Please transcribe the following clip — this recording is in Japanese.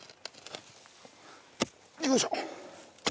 よいしょ。